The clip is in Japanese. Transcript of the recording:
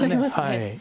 はい。